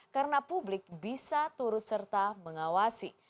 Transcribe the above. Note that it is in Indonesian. karena publik bisa turut serta mengawasi